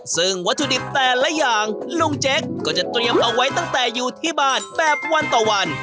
ซึ่งวัตถุดิบแต่ละอย่างลุงเจ๊กก็จะเตรียมเอาไว้ตั้งแต่อยู่ที่บ้านแบบวันต่อวัน